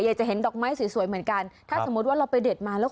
อยากจะเห็นดอกไม้สวยเหมือนกันถ้าสมมุติว่าเราไปเด็ดมาแล้ว